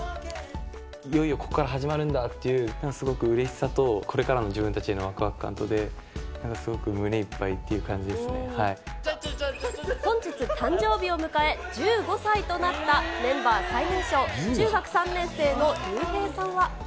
いよいよここから始まるんだっていう、すごくうれしさと、これからの自分たちへのわくわく感とで、なんかすごく胸いっぱい本日、誕生日を迎え、１５歳となったメンバー最年少、中学３年生のリュウヘイさんは。